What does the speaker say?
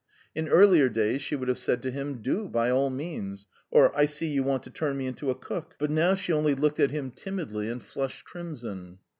In earlier days she would have said to him, "Do by all means," or, "I see you want to turn me into a cook"; but now she only looked at him timidly and flushed crimson.